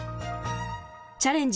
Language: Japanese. チャレンジ